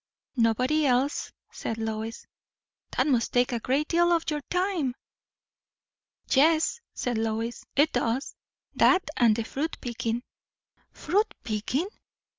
"Nobody else," said Lois. "That must take a great deal of your time!" "Yes," said Lois, "it does; that and the fruit picking." "Fruit picking!